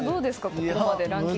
ここまでのランキングで。